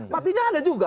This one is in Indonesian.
matinya ada juga